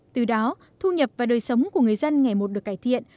từ đó thu nhập và đời sống của người dân ngày một được cải thiện